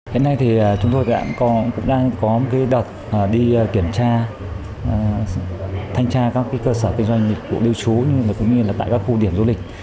hiện nay thì chúng tôi cũng đang có một cái đợt đi kiểm tra thanh tra các cơ sở kinh doanh của điêu chú như là cũng như là tại các khu điểm du lịch